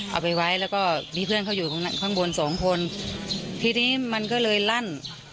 เอาไปไว้แล้วก็มีเพื่อนเขาอยู่ข้างบนสองคนทีนี้มันก็เลยลั่น